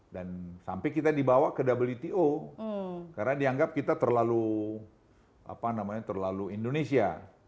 dan sampai kita dibawa ke wto karena dianggap kita terlalu indonesia